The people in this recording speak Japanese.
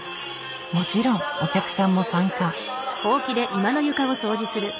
もちろんお客さんも参加。